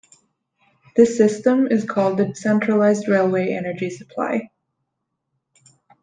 This system is called the centralized railway energy supply.